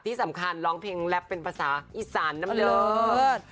ที่สำคัญร้องเพลงแรปเป็นภาษาอีสานน้ำเลิศ